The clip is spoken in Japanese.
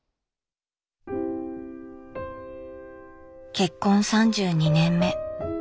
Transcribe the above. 結婚３２年目。